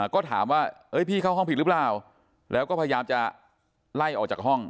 ก็ถามว่าพี่เข้าห้องผิดหรือเปล่าแล้วก็พยายามจะไล่ออกจากห้อง